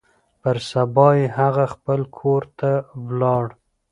پر سبا يې هغه خپل کور ته ولاړ.